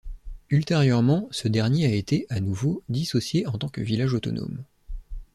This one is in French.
Ultérieurement, ce dernier a été, à nouveau, dissocié en tant que village autonome.